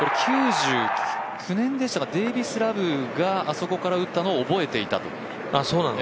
９９年でしたか、デービス・ラブがあそこから打ったのを覚えていたと。